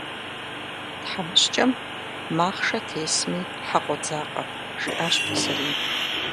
«Тхьэмыщкӏэм махъшэ тесми хьэ къодзакъэ», жиӏащ пасэрейм.